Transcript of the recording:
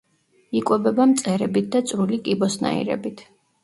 იკვებება მწერებით და წვრილი კიბოსნაირებით.